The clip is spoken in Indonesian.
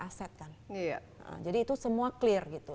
aset kan jadi itu semua clear gitu